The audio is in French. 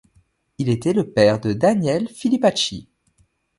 Il était le père de Daniel Filipacchi.